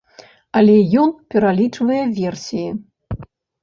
Але ён пералічвае версіі.